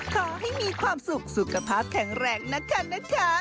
ขอให้มีความสุขสุขภาพแข็งแรงนะคะ